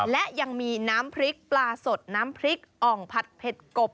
และยังมีน้ำพริกปลาสดน้ำพริกอ่องผัดเผ็ดกบ